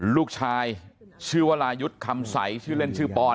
ลูกชายชื่อวรายุทธ์คำใสชื่อเล่นชื่อปอน